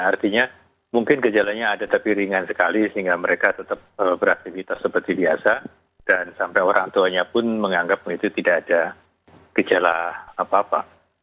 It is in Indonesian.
artinya mungkin gejalanya ada tapi ringan sekali sehingga mereka tetap beraktivitas seperti biasa dan sampai orang tuanya pun menganggap itu tidak ada gejala apa apa